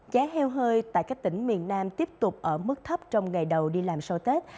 giá heo hơi tại các tỉnh miền nam tiếp tục ở mức thấp trong ngày đầu đi làm sau tết